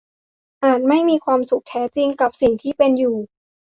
อาจไม่มีความสุขแท้จริงกับสิ่งที่เป็นอยู่